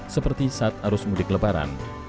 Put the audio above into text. seperti saat arus mudik lebaran